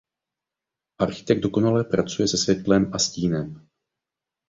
Architekt dokonale pracuje se světlem a stínem.